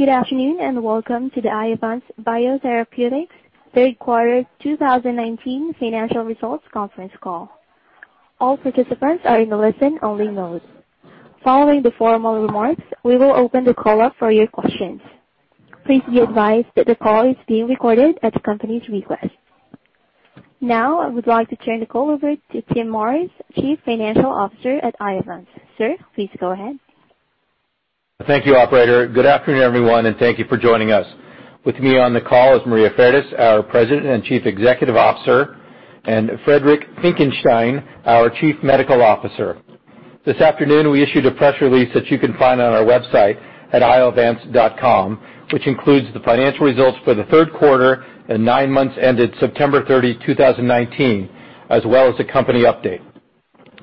Good afternoon, and welcome to the Iovance Biotherapeutics third quarter 2019 financial results conference call. All participants are in a listen-only mode. Following the formal remarks, we will open the call up for your questions. Please be advised that the call is being recorded at the company's request. Now, I would like to turn the call over to Timothy Morris, Chief Financial Officer at Iovance. Sir, please go ahead. Thank you, operator. Good afternoon, everyone, and thank you for joining us. With me on the call is Maria Fardis, our President and Chief Executive Officer, and Friedrich Finckenstein, our Chief Medical Officer. This afternoon, we issued a press release that you can find on our website at iovance.com, which includes the financial results for the third quarter and nine months ended September 30, 2019, as well as the company update.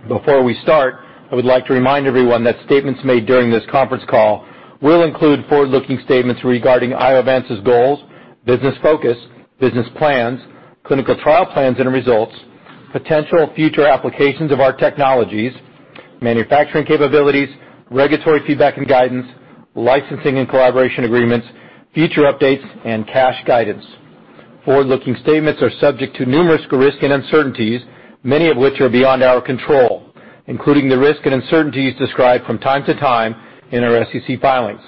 Before we start, I would like to remind everyone that statements made during this conference call will include forward-looking statements regarding Iovance's goals, business focus, business plans, clinical trial plans and results, potential future applications of our technologies, manufacturing capabilities, regulatory feedback and guidance, licensing and collaboration agreements, future updates, and cash guidance. Forward-looking statements are subject to numerous risk and uncertainties, many of which are beyond our control, including the risk and uncertainties described from time to time in our SEC filings.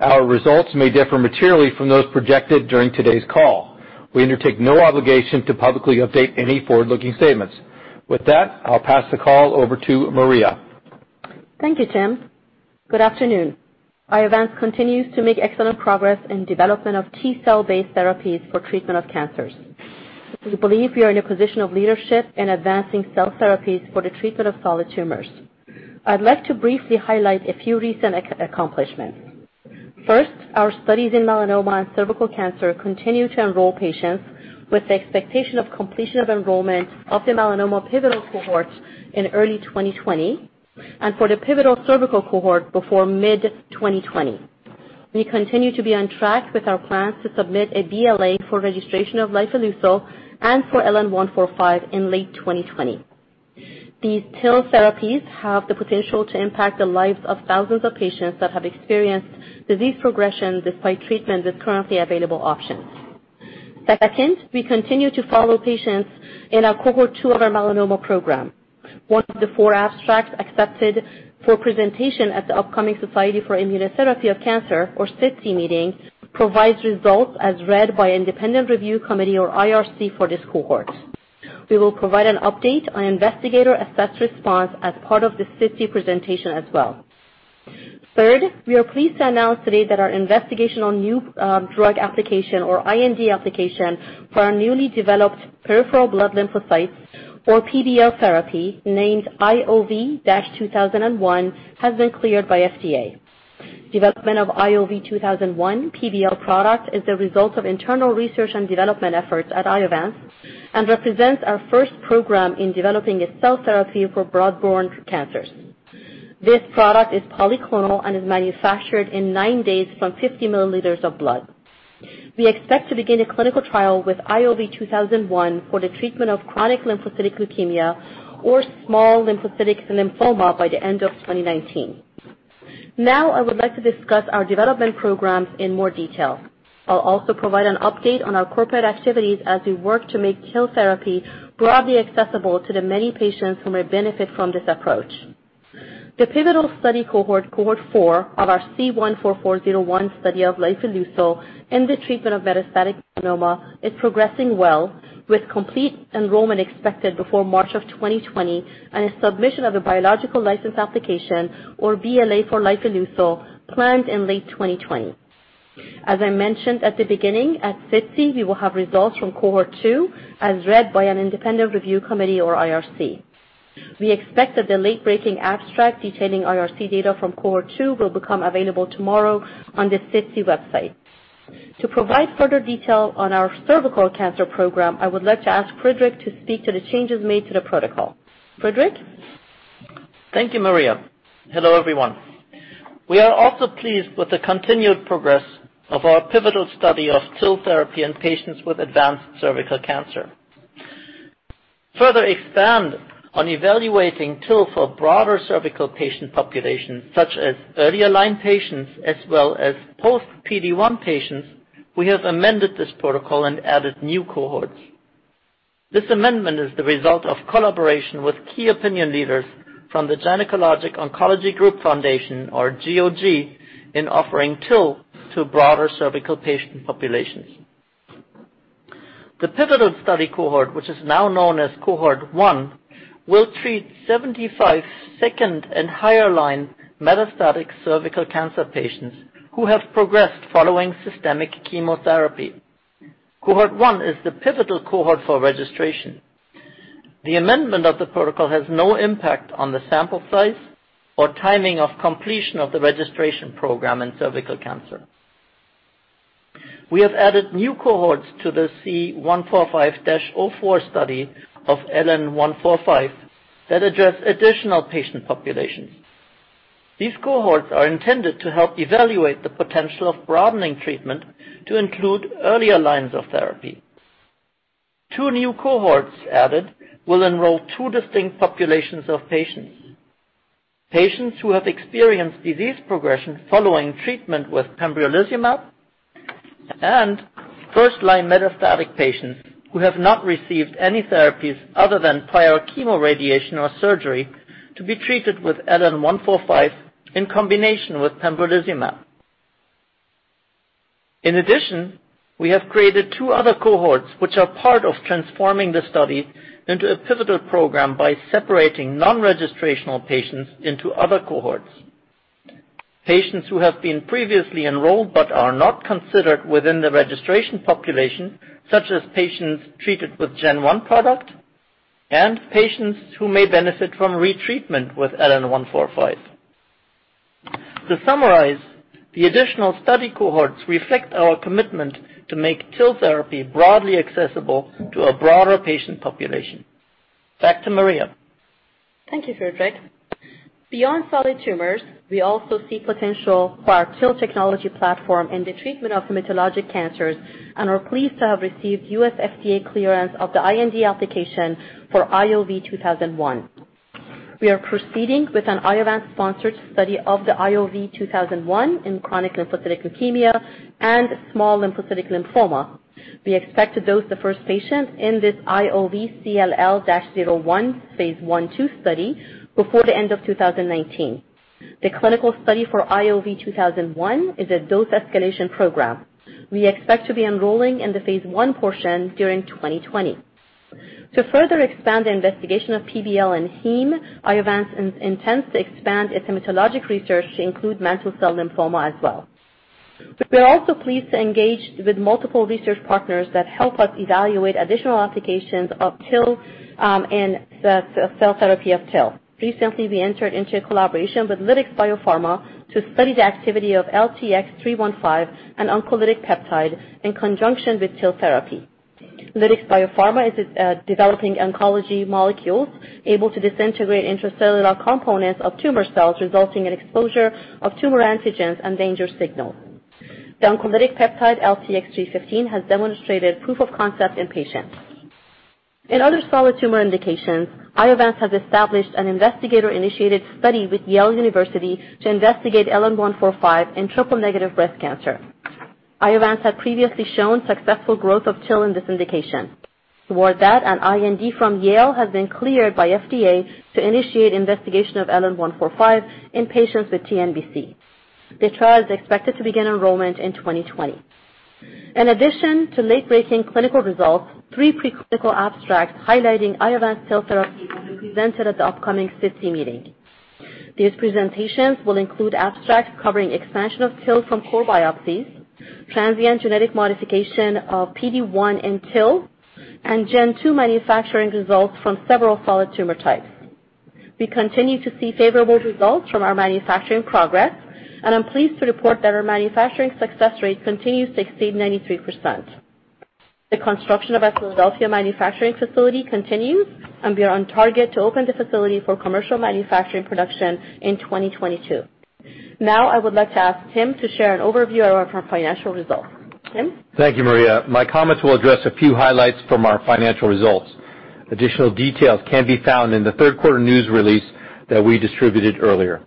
Our results may differ materially from those projected during today's call. We undertake no obligation to publicly update any forward-looking statements. With that, I'll pass the call over to Maria. Thank you, Tim. Good afternoon. Iovance continues to make excellent progress in development of T-cell based therapies for treatment of cancers. We believe we are in a position of leadership in advancing cell therapies for the treatment of solid tumors. I'd like to briefly highlight a few recent accomplishments. First, our studies in melanoma and cervical cancer continue to enroll patients with the expectation of completion of enrollment of the melanoma pivotal cohort in early 2020, and for the pivotal cervical cohort before mid-2020. We continue to be on track with our plans to submit a BLA for registration of lifileucel and for LN-145 in late 2020. These TIL therapies have the potential to impact the lives of thousands of patients that have experienced disease progression despite treatment with currently available options. Second, we continue to follow patients in our cohort 2 of our melanoma program. One of the four abstracts accepted for presentation at the upcoming Society for Immunotherapy of Cancer, or SITC meeting, provides results as read by an independent review committee, or IRC, for this cohort. We will provide an update on investigator assessed response as part of the SITC presentation as well. Third, we are pleased to announce today that our investigational new drug application, or IND application, for our newly developed peripheral blood lymphocytes, or PBL therapy, named IOV-2001, has been cleared by FDA. Development of IOV-2001 PBL product is the result of internal research and development efforts at Iovance and represents our first program in developing a cell therapy for blood-borne cancers. This product is polyclonal and is manufactured in nine days from 50 milliliters of blood. We expect to begin a clinical trial with IOV-2001 for the treatment of chronic lymphocytic leukemia or small lymphocytic lymphoma by the end of 2019. I would like to discuss our development programs in more detail. I'll also provide an update on our corporate activities as we work to make TIL therapy broadly accessible to the many patients who may benefit from this approach. The pivotal study cohort 4 of our C-144-01 study of lifileucel in the treatment of metastatic melanoma, is progressing well with complete enrollment expected before March of 2020 and a submission of a Biologics License Application, or BLA, for lifileucel planned in late 2020. As I mentioned at the beginning, at SITC, we will have results from cohort 2 as read by an independent review committee, or IRC. We expect that the late-breaking abstract detailing IRC data from cohort 2 will become available tomorrow on the SITC website. To provide further detail on our cervical cancer program, I would like to ask Friedrich to speak to the changes made to the protocol. Friedrich? Thank you, Maria. Hello, everyone. We are also pleased with the continued progress of our pivotal study of TIL therapy in patients with advanced cervical cancer. To further expand on evaluating TIL for broader cervical patient populations, such as earlier line patients as well as post-PD-1 patients, we have amended this protocol and added new cohorts. This amendment is the result of collaboration with key opinion leaders from the Gynecologic Oncology Group Foundation, or GOG, in offering TIL to broader cervical patient populations. The pivotal study cohort, which is now known as cohort 1, will treat 75 2nd and higher line metastatic cervical cancer patients who have progressed following systemic chemotherapy. Cohort 1 is the pivotal cohort for registration. The amendment of the protocol has no impact on the sample size or timing of completion of the registration program in cervical cancer. We have added new cohorts to the C-145-04 study of LN-145 that address additional patient populations. These cohorts are intended to help evaluate the potential of broadening treatment to include earlier lines of therapy. Two new cohorts added will enroll two distinct populations of patients. Patients who have experienced disease progression following treatment with pembrolizumab and first-line metastatic patients who have not received any therapies other than prior chemoradiation or surgery to be treated with LN-145 in combination with pembrolizumab. In addition, we have created two other cohorts which are part of transforming the study into a pivotal program by separating non-registrational patients into other cohorts. Patients who have been previously enrolled but are not considered within the registration population, such as patients treated with Gen 1 product and patients who may benefit from retreatment with LN-145. To summarize, the additional study cohorts reflect our commitment to make TIL therapy broadly accessible to a broader patient population. Back to Maria. Thank you, Friedrich. Beyond solid tumors, we also see potential for our TIL technology platform in the treatment of hematologic cancers and are pleased to have received U.S. FDA clearance of the IND application for IOV-2001. We are proceeding with an Iovance-sponsored study of the IOV-2001 in chronic lymphocytic leukemia and small lymphocytic lymphoma. We expect to dose the first patient in this IOV-CLL-01 phase I/II study before the end of 2019. The clinical study for IOV-2001 is a dose escalation program. We expect to be enrolling in the phase I portion during 2020. To further expand the investigation of PBL and heme, Iovance intends to expand its hematologic research to include mantle cell lymphoma as well. We are also pleased to engage with multiple research partners that help us evaluate additional applications of TIL in the cell therapy of TIL. Recently, we entered into a collaboration with Lytix Biopharma to study the activity of LTX-315, an oncolytic peptide, in conjunction with TIL therapy. Lytix Biopharma is developing oncology molecules able to disintegrate intracellular components of tumor cells, resulting in exposure of tumor antigens and danger signals. The oncolytic peptide LTX-315 has demonstrated proof of concept in patients. In other solid tumor indications, Iovance has established an investigator-initiated study with Yale University to investigate LN-145 in triple-negative breast cancer. Iovance had previously shown successful growth of TIL in this indication. Toward that, an IND from Yale has been cleared by FDA to initiate investigation of LN-145 in patients with TNBC. The trial is expected to begin enrollment in 2020. In addition to late-breaking clinical results, three pre-clinical abstracts highlighting Iovance TIL therapy will be presented at the upcoming SITC meeting. These presentations will include abstracts covering expansion of TIL from core biopsies, transient genetic modification of PD-1 in TIL, and Gen 2 manufacturing results from several solid tumor types. We continue to see favorable results from our manufacturing progress, and I'm pleased to report that our manufacturing success rate continues to exceed 93%. The construction of our Philadelphia manufacturing facility continues, and we are on target to open the facility for commercial manufacturing production in 2022. I would like to ask Tim to share an overview of our financial results. Tim? Thank you, Maria. My comments will address a few highlights from our financial results. Additional details can be found in the third quarter news release that we distributed earlier.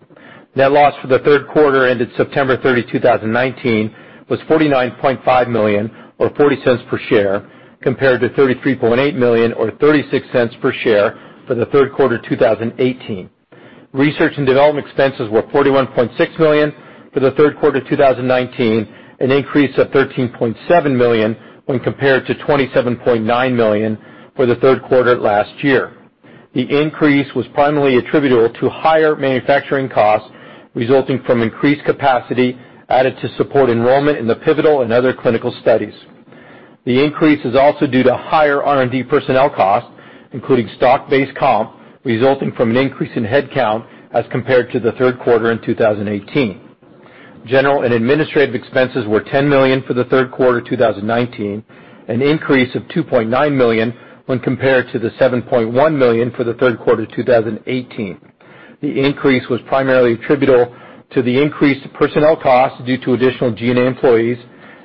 Net loss for the third quarter ended September 30, 2019, was $49.5 million or $0.40 per share, compared to $33.8 million or $0.36 per share for the third quarter 2018. Research and development expenses were $41.6 million for the third quarter 2019, an increase of $13.7 million when compared to $27.9 million for the third quarter last year. The increase was primarily attributable to higher manufacturing costs resulting from increased capacity added to support enrollment in the pivotal and other clinical studies. The increase is also due to higher R&D personnel costs, including stock-based comp, resulting from an increase in headcount as compared to the third quarter in 2018. General and administrative expenses were $10 million for the third quarter 2019, an increase of $2.9 million when compared to the $7.1 million for the third quarter 2018. The increase was primarily attributable to the increased personnel costs due to additional G&A employees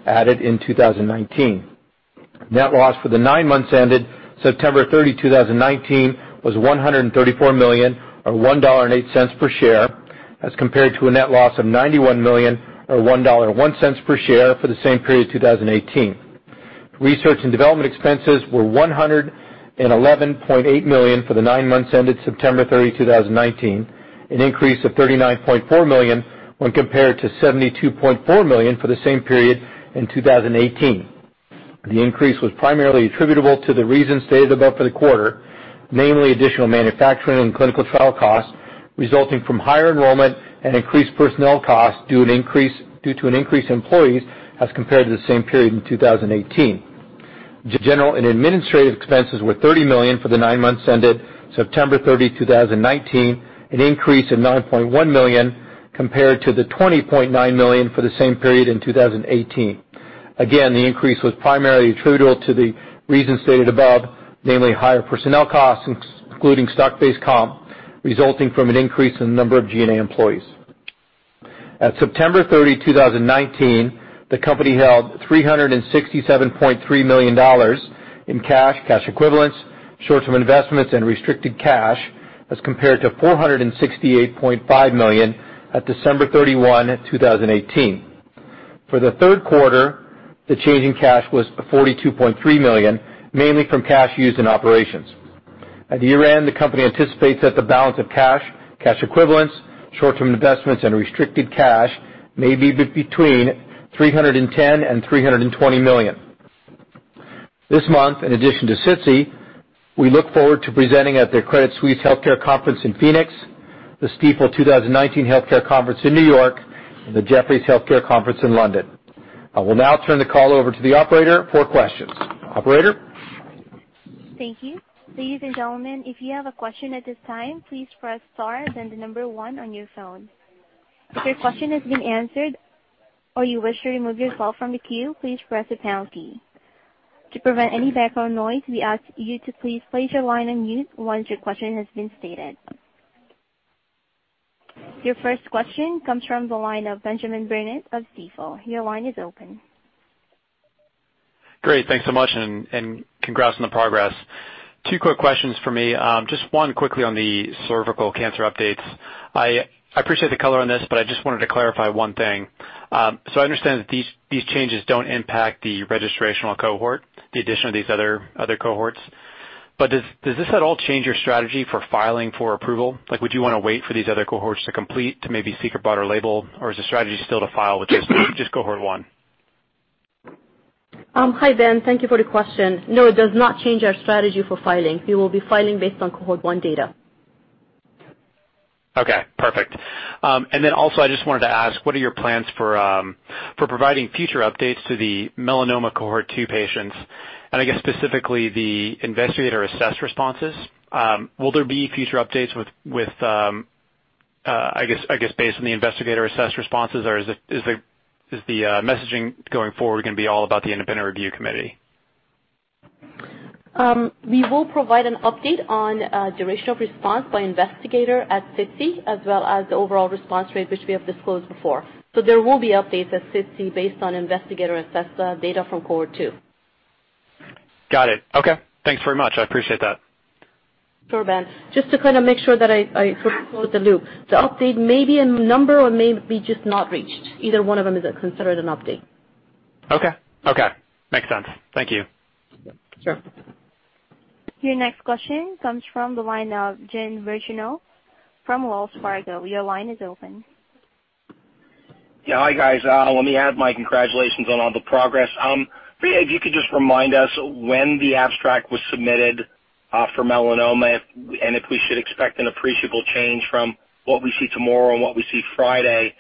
added in 2019. Net loss for the nine months ended September 30, 2019, was $134 million or $1.08 per share as compared to a net loss of $91 million or $1.01 per share for the same period 2018. Research and development expenses were $111.8 million for the nine months ended September 30, 2019, an increase of $39.4 million when compared to $72.4 million for the same period in 2018. The increase was primarily attributable to the reasons stated above for the quarter, namely additional manufacturing and clinical trial costs resulting from higher enrollment and increased personnel costs due to an increase in employees as compared to the same period in 2018. General and administrative expenses were $30 million for the nine months ended September 30, 2019, an increase of $9.1 million compared to the $20.9 million for the same period in 2018. Again, the increase was primarily attributable to the reasons stated above, namely higher personnel costs including stock-based comp, resulting from an increase in the number of G&A employees. At September 30, 2019, the company held $367.3 million in cash equivalents, short-term investments, and restricted cash as compared to $468.5 million at December 31, 2018. For the third quarter, the change in cash was $42.3 million, mainly from cash used in operations. At year-end, the company anticipates that the balance of cash equivalents, short-term investments, and restricted cash may be between $310 million and $320 million. This month, in addition to SITC, we look forward to presenting at the Credit Suisse Healthcare Conference in Phoenix, the Stifel 2019 Healthcare Conference in New York, and the Jefferies Healthcare Conference in London. I will now turn the call over to the operator for questions. Operator? Thank you. Ladies and gentlemen, if you have a question at this time, please press star then the number 1 on your phone. If your question has been answered or you wish to remove yourself from the queue, please press the pound key. To prevent any background noise, we ask you to please place your line on mute once your question has been stated. Your first question comes from the line of Benjamin Burnett of Stifel. Your line is open. Great. Thanks so much, and congrats on the progress. Two quick questions for me. Just one quickly on the cervical cancer updates. I appreciate the color on this, I just wanted to clarify one thing. I understand that these changes don't impact the registrational cohort, the addition of these other cohorts. Does this at all change your strategy for filing for approval? Would you want to wait for these other cohorts to complete to maybe seek a broader label? Is the strategy still to file with just cohort one? Hi, Ben. Thank you for the question. No, it does not change our strategy for filing. We will be filing based on cohort 1 data. Okay, perfect. I just wanted to ask, what are your plans for providing future updates to the melanoma cohort 2 patients, and I guess specifically the investigator-assessed responses? Will there be future updates with, I guess, based on the investigator-assessed responses? Or is the messaging going forward going to be all about the Independent Review Committee? We will provide an update on duration of response by investigator at SITC, as well as the overall response rate, which we have disclosed before. There will be updates at SITC based on investigator-assessed data from cohort 2. Got it. Okay. Thanks very much. I appreciate that. Sure, Ben. Just to kind of make sure that I close the loop. The update may be a number or may be just not reached. Either one of them is considered an update. Okay. Makes sense. Thank you. Sure. Your next question comes from the line of Jim Birchenough from Wells Fargo. Your line is open. Yeah. Hi, guys. Let me add my congratulations on all the progress. Maria, if you could just remind us when the abstract was submitted for melanoma, and if we should expect an appreciable change from what we see tomorrow and what we see Friday.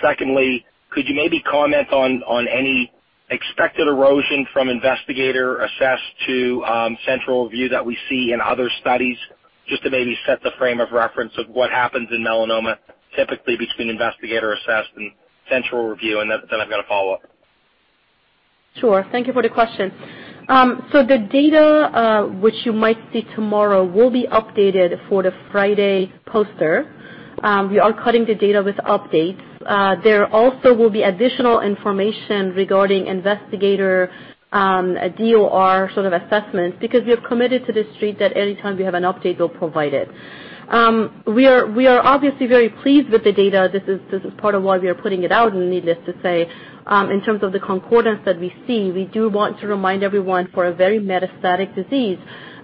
Secondly, could you maybe comment on any expected erosion from investigator assessed to central review that we see in other studies, just to maybe set the frame of reference of what happens in melanoma, typically between investigator assessed and central review? I've got a follow-up. Sure. Thank you for the question. The data which you might see tomorrow will be updated for the Friday poster. We are cutting the data with updates. There also will be additional information regarding investigator DOR sort of assessments, because we have committed to the street that any time we have an update, we'll provide it. We are obviously very pleased with the data. This is part of why we are putting it out, needless to say. In terms of the concordance that we see, we do want to remind everyone, for a very metastatic disease,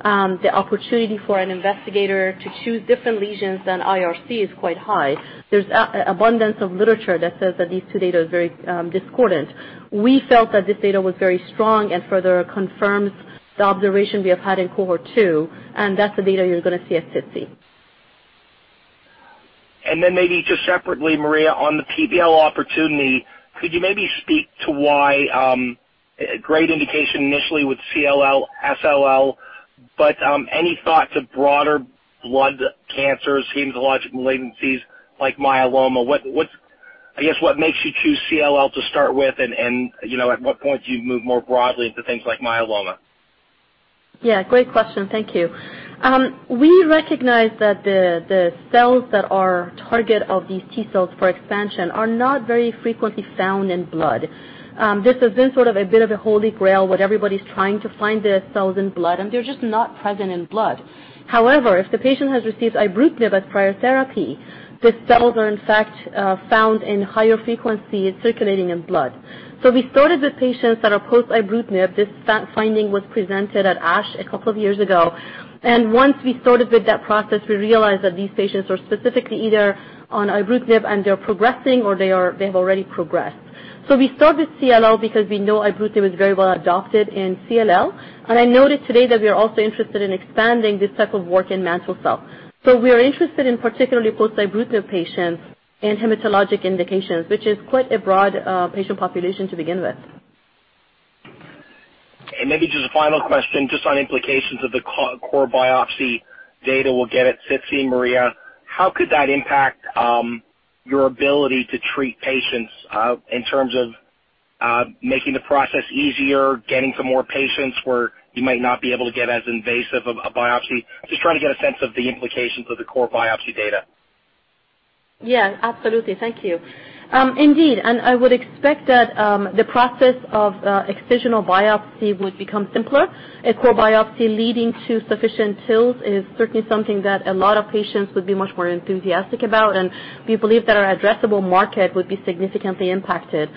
the opportunity for an investigator to choose different lesions than IRC is quite high. There's abundance of literature that says that these two data is very discordant. We felt that this data was very strong and further confirms the observation we have had in cohort two, and that's the data you're going to see at SITC. Maybe just separately, Maria, on the PBL opportunity, could you maybe speak to why great indication initially with CLL, SLL, but any thought to broader blood cancer, hematological malignancies like myeloma? I guess, what makes you choose CLL to start with, and at what point do you move more broadly into things like myeloma? Yeah. Great question. Thank you. We recognize that the cells that are target of these T-cells for expansion are not very frequently found in blood. This has been sort of a bit of a holy grail, what everybody's trying to find the cells in blood, and they're just not present in blood. However, if the patient has received ibrutinib as prior therapy, these cells are in fact found in higher frequency circulating in blood. We started with patients that are post-ibrutinib. This finding was presented at ASH a couple of years ago. Once we started with that process, we realized that these patients are specifically either on ibrutinib and they're progressing, or they have already progressed. We start with CLL because we know ibrutinib is very well adopted in CLL. I noticed today that we are also interested in expanding this type of work in mantle cell. We are interested in particularly post-ibrutinib patients and hematologic indications, which is quite a broad patient population to begin with. Maybe just a final question, just on implications of the core biopsy data we'll get at SITC, Maria. How could that impact your ability to treat patients in terms of. making the process easier, getting some more patients where you might not be able to get as invasive of a biopsy? I'm just trying to get a sense of the implications of the core biopsy data. Yes, absolutely. Thank you. Indeed, I would expect that the process of excisional biopsy would become simpler. A core biopsy leading to sufficient TILs is certainly something that a lot of patients would be much more enthusiastic about, we believe that our addressable market would be significantly impacted.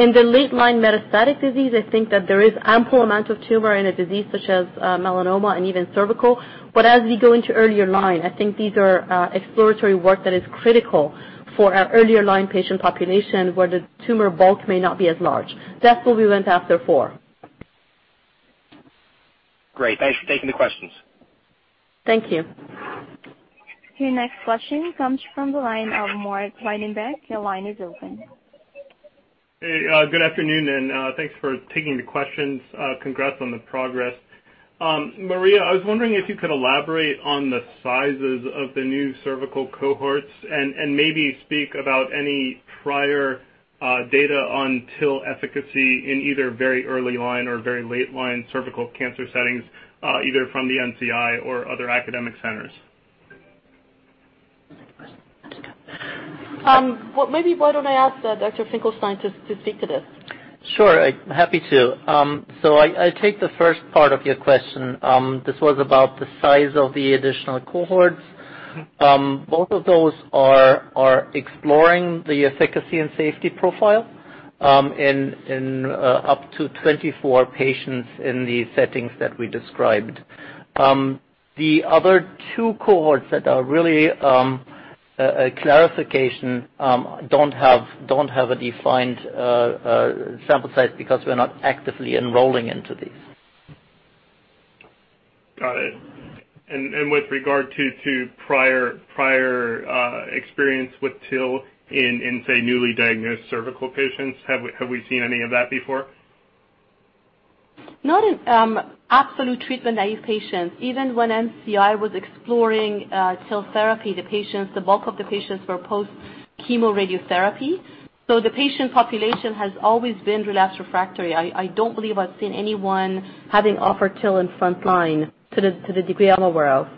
In the late line metastatic disease, I think that there is ample amount of tumor in a disease such as melanoma and even cervical. As we go into earlier line, I think these are exploratory work that is critical for our earlier line patient population, where the tumor bulk may not be as large. That's what we went after for. Great. Thanks for taking the questions. Thank you. Your next question comes from the line of Mark Breidenbach. Your line is open. Good afternoon, thanks for taking the questions. Congrats on the progress. Maria, I was wondering if you could elaborate on the sizes of the new cervical cohorts and maybe speak about any prior data on TIL efficacy in either very early line or very late line cervical cancer settings, either from the NCI or other academic centers. Maybe why don't I ask Dr. Finkelstein to speak to this? Sure, happy to. I take the first part of your question. This was about the size of the additional cohorts. Both of those are exploring the efficacy and safety profile in up to 24 patients in the settings that we described. The other two cohorts that are really a clarification don't have a defined sample size because we're not actively enrolling into these. Got it. With regard to prior experience with TIL in, say, newly diagnosed cervical patients, have we seen any of that before? Not in absolute treatment-naive patients. Even when NCI was exploring TIL therapy, the bulk of the patients were post chemo radiotherapy. The patient population has always been relapse refractory. I don't believe I've seen anyone having offered TIL in front line to the degree I'm aware of.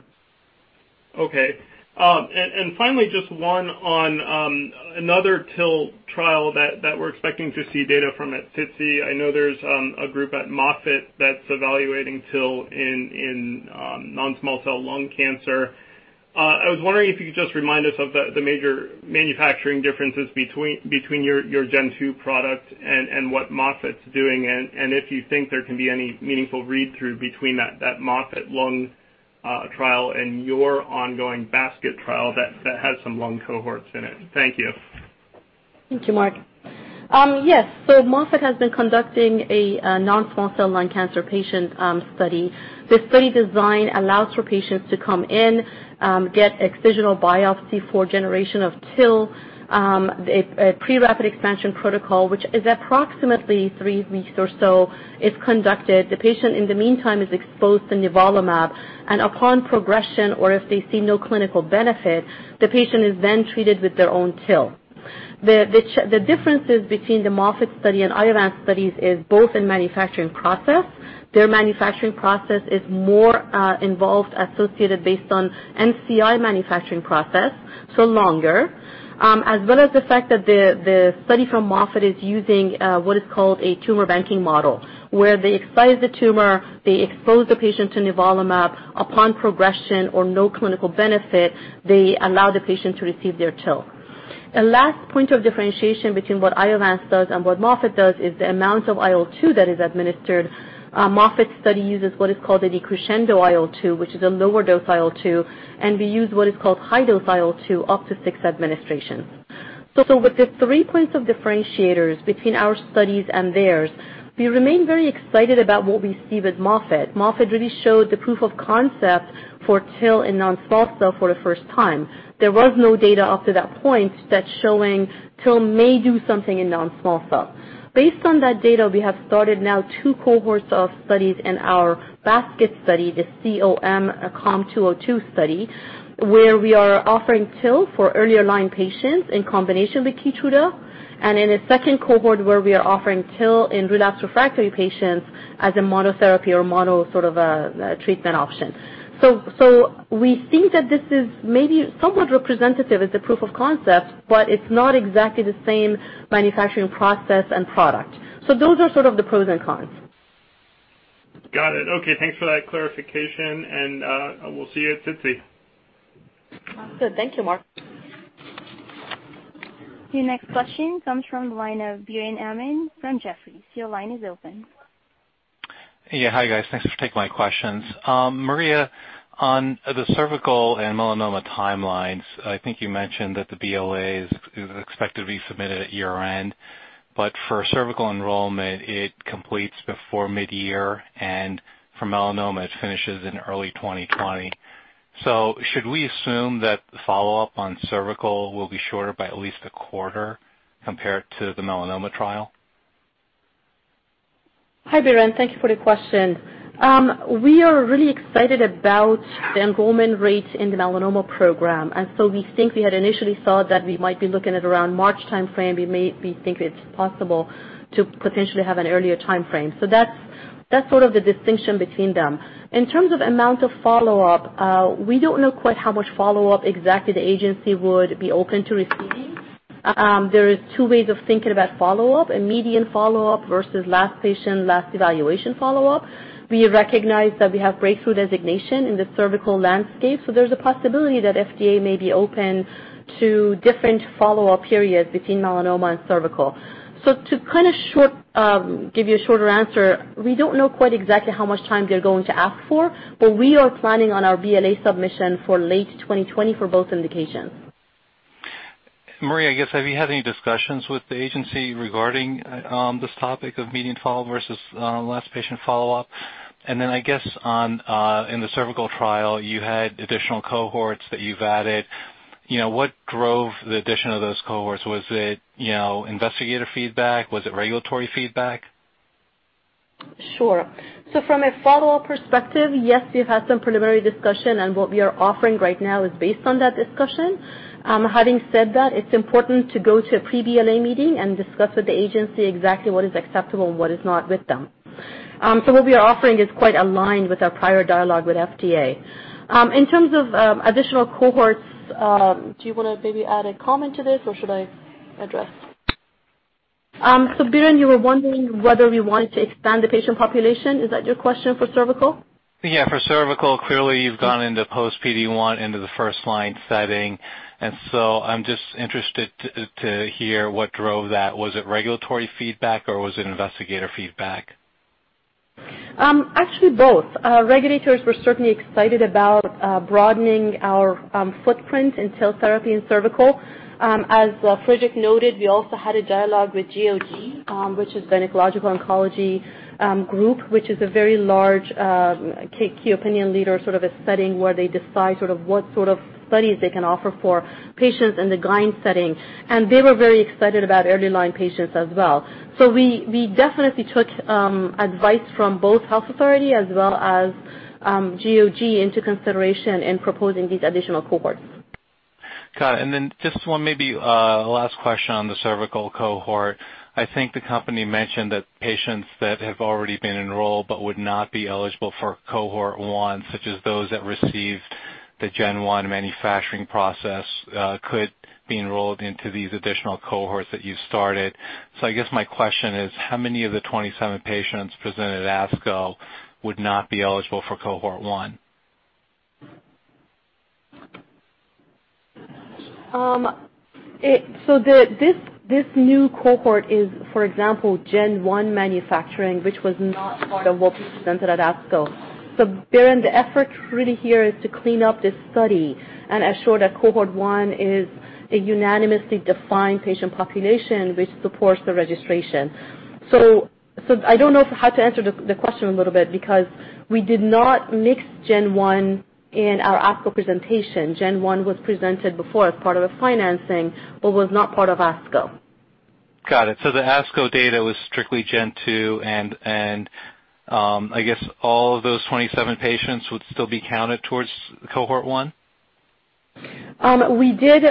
Okay. Finally, just one on another TIL trial that we're expecting to see data from at SITC. I know there's a group at Moffitt that's evaluating TIL in non-small cell lung cancer. I was wondering if you could just remind us of the major manufacturing differences between your Gen 2 product and what Moffitt's doing, and if you think there can be any meaningful read-through between that Moffitt lung trial and your ongoing basket trial that has some lung cohorts in it. Thank you. Thank you, Mark. Yes. Moffitt has been conducting a non-small cell lung cancer patient study. The study design allows for patients to come in, get excisional biopsy for generation of TIL, a pre-rapid expansion protocol, which is approximately three weeks or so, is conducted. The patient, in the meantime, is exposed to nivolumab, and upon progression, or if they see no clinical benefit, the patient is then treated with their own TIL. The differences between the Moffitt study and Iovance studies is both in manufacturing process. Their manufacturing process is more involved, associated based on NCI manufacturing process, so longer, as well as the fact that the study from Moffitt is using what is called a tumor banking model, where they excise the tumor, they expose the patient to nivolumab. Upon progression or no clinical benefit, they allow the patient to receive their TIL. The last point of differentiation between what Iovance does and what Moffitt does is the amount of IL-2 that is administered. Moffitt study uses what is called a decrescendo IL-2, which is a lower dose IL-2, and we use what is called high-dose IL-2 up to six administrations. With the three points of differentiators between our studies and theirs, we remain very excited about what we see with Moffitt. Moffitt really showed the proof of concept for TIL in non-small cell for the first time. There was no data up to that point that's showing TIL may do something in non-small cell. Based on that data, we have started now two cohorts of studies in our basket study, the COM 202 study, where we are offering TIL for earlier line patients in combination with KEYTRUDA, and in a second cohort where we are offering TIL in relapsed refractory patients as a monotherapy or mono sort of a treatment option. We think that this is maybe somewhat representative as a proof of concept, but it's not exactly the same manufacturing process and product. Those are sort of the pros and cons. Got it. Okay, thanks for that clarification, and we'll see you at SITC. Good. Thank you, Mark. Your next question comes from the line of Biren Amin from Jefferies. Your line is open. Yeah. Hi, guys. Thanks for taking my questions. Maria, on the cervical and melanoma timelines, I think you mentioned that the BLA is expected to be submitted at year-end, but for cervical enrollment, it completes before mid-year, and for melanoma, it finishes in early 2020. Should we assume that the follow-up on cervical will be shorter by at least a quarter compared to the melanoma trial? Hi, Biren. Thank you for the question. We are really excited about the enrollment rate in the melanoma program, and so we think we had initially thought that we might be looking at around March timeframe. We think it's possible to potentially have an earlier timeframe. That's sort of the distinction between them. In terms of amount of follow-up, we don't know quite how much follow-up exactly the agency would be open to receiving. There is two ways of thinking about follow-up, a median follow-up versus last patient, last evaluation follow-up. We recognize that we have breakthrough designation in the cervical landscape, so there's a possibility that FDA may be open to different follow-up periods between melanoma and cervical. To kind of give you a shorter answer, we don't know quite exactly how much time they're going to ask for, but we are planning on our BLA submission for late 2020 for both indications. Maria, I guess, have you had any discussions with the agency regarding this topic of median follow versus last patient follow-up? I guess, in the cervical trial, you had additional cohorts that you've added. What drove the addition of those cohorts? Was it investigator feedback? Was it regulatory feedback? Sure. From a follow-up perspective, yes, we've had some preliminary discussion, and what we are offering right now is based on that discussion. Having said that, it's important to go to a pre-BLA meeting and discuss with the agency exactly what is acceptable and what is not with them. What we are offering is quite aligned with our prior dialogue with FDA. In terms of additional cohorts, do you want to maybe add a comment to this, or should I address? Biren, you were wondering whether we wanted to expand the patient population. Is that your question for cervical? Yeah, for cervical. Clearly, you've gone into post PD-1 into the first line setting. I'm just interested to hear what drove that. Was it regulatory feedback or was it investigator feedback? Actually, both. Regulators were certainly excited about broadening our footprint in TIL therapy and cervical. As Friedrich noted, we also had a dialogue with GOG, which is Gynecologic Oncology Group, which is a very large key opinion leader, sort of a setting where they decide what sort of studies they can offer for patients in the GYN setting. They were very excited about early line patients as well. We definitely took advice from both health authority as well as GOG into consideration in proposing these additional cohorts. Got it. Just one maybe last question on the cervical cohort. I think the company mentioned that patients that have already been enrolled but would not be eligible for cohort 1, such as those that received the Gen 1 manufacturing process, could be enrolled into these additional cohorts that you started. I guess my question is, how many of the 27 patients presented at ASCO would not be eligible for cohort 1? This new cohort is, for example, Gen-1 manufacturing, which was not part of what we presented at ASCO. Biren, the effort really here is to clean up this study and ensure that cohort 1 is a unanimously defined patient population, which supports the registration. I don't know how to answer the question a little bit, because we did not mix Gen-1 in our ASCO presentation. Gen-1 was presented before as part of a financing but was not part of ASCO. Got it. The ASCO data was strictly Gen 2 and I guess all of those 27 patients would still be counted towards cohort 1? As we received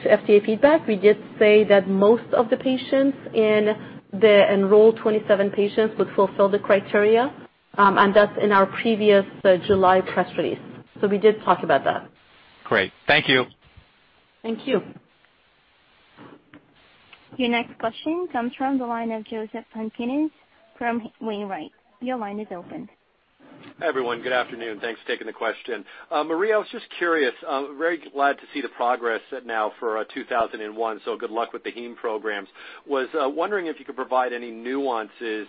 FDA feedback, we did say that most of the patients in the enrolled 27 patients would fulfill the criteria, and that's in our previous July press release. We did talk about that. Great. Thank you. Thank you. Your next question comes from the line of Joseph Pantginis from Wainwright. Your line is open. Everyone, good afternoon. Thanks for taking the question. Maria, I was just curious, very glad to see the progress now for 2001, so good luck with the Heme programs. I was wondering if you could provide any nuances,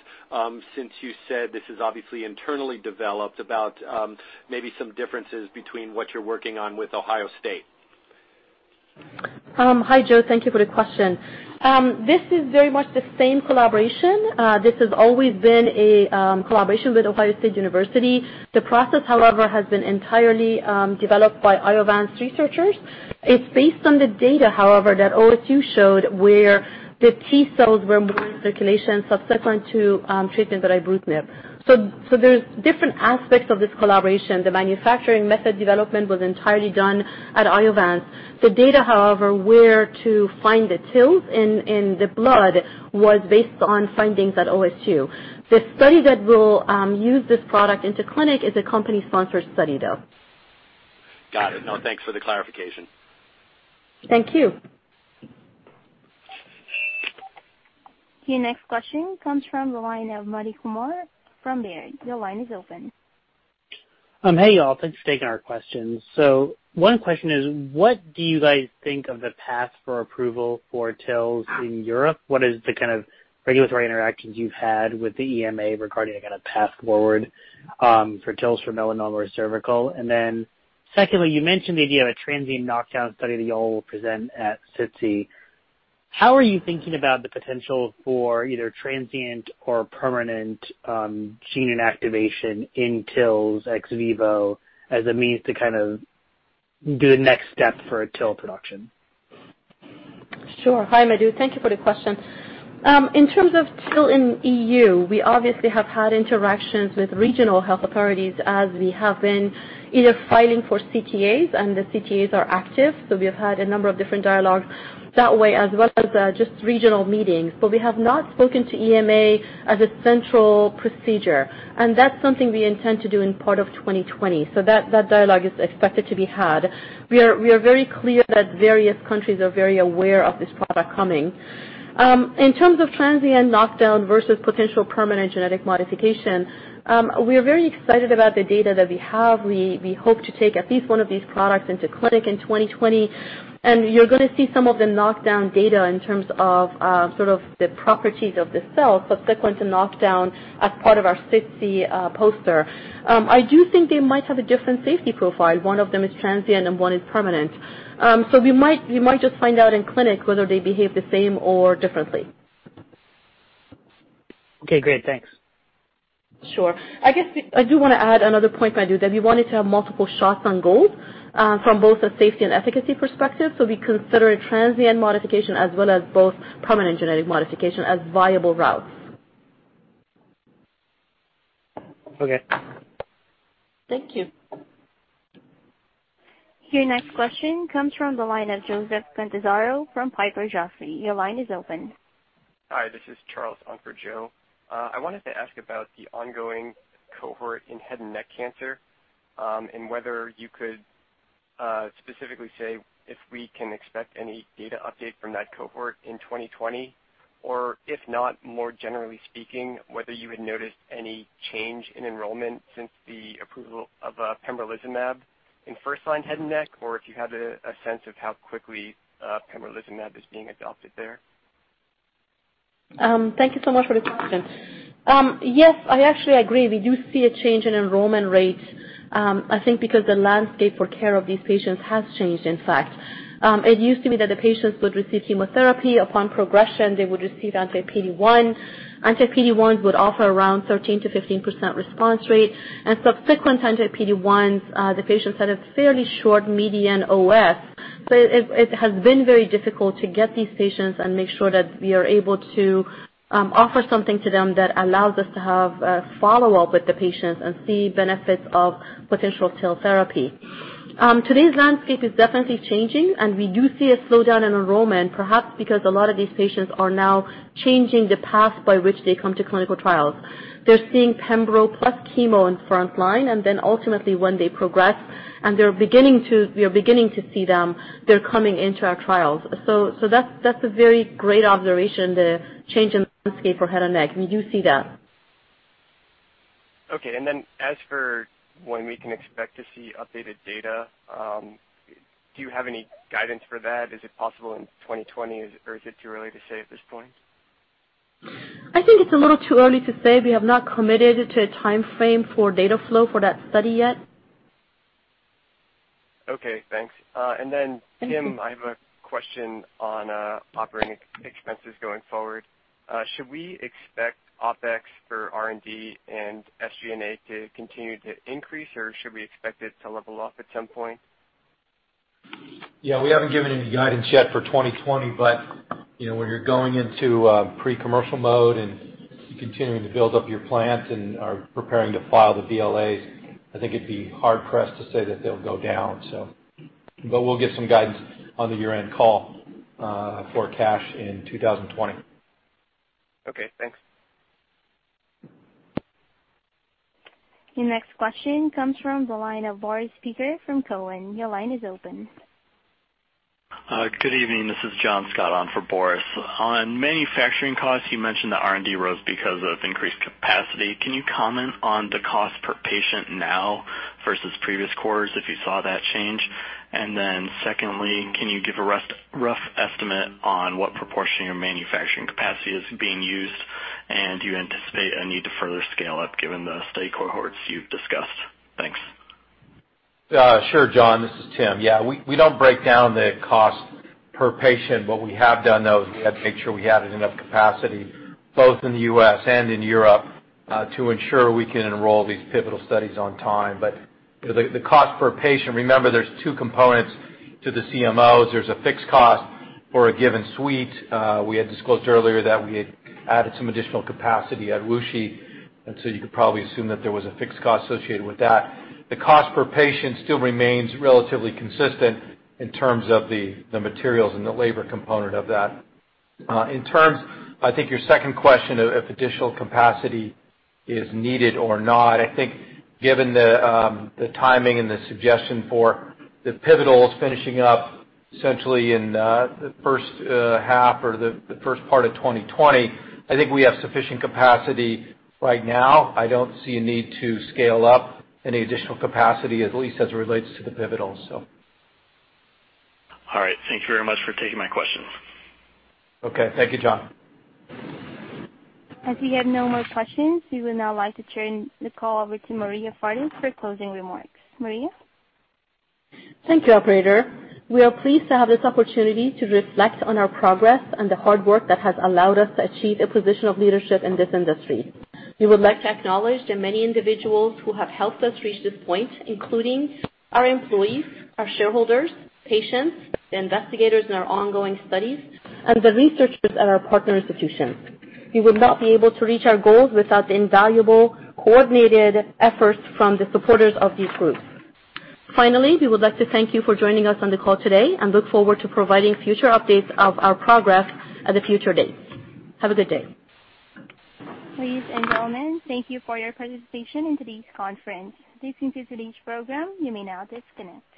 since you said this is obviously internally developed, about maybe some differences between what you're working on with Ohio State? Hi, Joe. Thank you for the question. This is very much the same collaboration. This has always been a collaboration with The Ohio State University. The process, however, has been entirely developed by Iovance researchers. It's based on the data, however, that OSU showed where the T-cells were moving circulation subsequent to treatment with ibrutinib. There's different aspects of this collaboration. The manufacturing method development was entirely done at Iovance. The data, however, where to find the TILs in the blood was based on findings at OSU. The study that will use this product into clinic is a company-sponsored study, though. Got it. No, thanks for the clarification. Thank you. Your next question comes from the line of Madhu Kumar from Baird. Your line is open. Hey, y'all. Thanks for taking our questions. One question is, what do you guys think of the path for approval for TILs in Europe? What is the kind of regulatory interactions you've had with the EMA regarding a kind of path forward for TILs for melanoma or cervical? Secondly, you mentioned the idea of a transient knockout study that y'all will present at SITC. How are you thinking about the potential for either transient or permanent gene inactivation in TILs ex vivo as a means to kind of do the next step for a TIL production? Sure. Hi, Madhu. Thank you for the question. In terms of still in EU, we obviously have had interactions with regional health authorities as we have been either filing for CTAs, and the CTAs are active. We have had a number of different dialogues that way, as well as just regional meetings. We have not spoken to EMA as a central procedure, and that's something we intend to do in part of 2020. That dialogue is expected to be had. We are very clear that various countries are very aware of this product coming. In terms of transient knockdown versus potential permanent genetic modification, we are very excited about the data that we have. We hope to take at least one of these products into clinic in 2020. You're going to see some of the knockdown data in terms of sort of the properties of the cell subsequent to knockdown as part of our SITC poster. I do think they might have a different safety profile. One of them is transient and one is permanent. We might just find out in clinic whether they behave the same or differently. Okay, great. Thanks. Sure. I guess I do want to add another point, Madhu, that we wanted to have multiple shots on goal, from both a safety and efficacy perspective. We consider a transient modification as well as both permanent genetic modification as viable routes. Okay. Thank you. Your next question comes from the line of Joseph Catanzaro from Piper Jaffray. Your line is open. Hi, this is Charles on for Joe. I wanted to ask about the ongoing cohort in head and neck cancer, and whether you could specifically say if we can expect any data update from that cohort in 2020. If not, more generally speaking, whether you had noticed any change in enrollment since the approval of pembrolizumab in first-line head and neck, or if you have a sense of how quickly pembrolizumab is being adopted there. Thank you so much for the question. Yes, I actually agree. We do see a change in enrollment rates, I think because the landscape for care of these patients has changed, in fact. It used to be that the patients would receive chemotherapy. Upon progression, they would receive anti-PD-1. Anti-PD-1s would offer around 13%-15% response rate. Subsequent anti-PD-1s, the patients had a fairly short median OS. It has been very difficult to get these patients and make sure that we are able to offer something to them that allows us to have a follow-up with the patients and see benefits of potential cell therapy. Today's landscape is definitely changing, and we do see a slowdown in enrollment, perhaps because a lot of these patients are now changing the path by which they come to clinical trials. They're seeing pembro plus chemo in front line, and then ultimately when they progress, and we are beginning to see them, they're coming into our trials. That's a very great observation, the change in landscape for head and neck. We do see that. Okay, as for when we can expect to see updated data, do you have any guidance for that? Is it possible in 2020, or is it too early to say at this point? I think it's a little too early to say. We have not committed to a timeframe for data flow for that study yet. Okay, thanks. Thank you. Tim, I have a question on operating expenses going forward. Should we expect OpEx for R&D and SG&A to continue to increase, or should we expect it to level off at some point? Yeah, we haven't given any guidance yet for 2020. When you're going into pre-commercial mode and continuing to build up your plant and are preparing to file the BLAs, I think it'd be hard-pressed to say that they'll go down. We'll give some guidance on the year-end call for cash in 2020. Okay, thanks. Your next question comes from the line of Boris Peaker from Cowen. Your line is open. Good evening. This is John Scott on for Boris. On manufacturing costs, you mentioned the R&D rose because of increased capacity. Can you comment on the cost per patient now versus previous quarters, if you saw that change? Secondly, can you give a rough estimate on what proportion of your manufacturing capacity is being used? Do you anticipate a need to further scale up given the study cohorts you've discussed? Thanks. Sure, John, this is Tim. Yeah. We don't break down the cost per patient. What we have done, though, is we had to make sure we have enough capacity, both in the U.S. and in Europe, to ensure we can enroll these pivotal studies on time. The cost per patient, remember there's two components to the CMOs. There's a fixed cost for a given suite. We had disclosed earlier that we had added some additional capacity at WuXi, you could probably assume that there was a fixed cost associated with that. The cost per patient still remains relatively consistent in terms of the materials and the labor component of that. I think your second question, if additional capacity is needed or not, I think given the timing and the suggestion for the pivotals finishing up essentially in the first half or the first part of 2020, I think we have sufficient capacity right now. I don't see a need to scale up any additional capacity, at least as it relates to the pivotals. All right. Thank you very much for taking my questions. Okay. Thank you, John. As we have no more questions, we would now like to turn the call over to Maria Fardis for closing remarks. Maria? Thank you, operator. We are pleased to have this opportunity to reflect on our progress and the hard work that has allowed us to achieve a position of leadership in this industry. We would like to acknowledge the many individuals who have helped us reach this point, including our employees, our shareholders, patients, the investigators in our ongoing studies, and the researchers at our partner institutions. We would not be able to reach our goals without the invaluable coordinated efforts from the supporters of these groups. Finally, we would like to thank you for joining us on the call today and look forward to providing future updates of our progress at a future date. Have a good day. Please end your line. Thank you for your participation in today's conference. This concludes today's program. You may now disconnect.